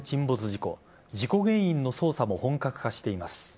事故原因の捜査も本格化しています。